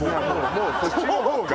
もうそっちの方が。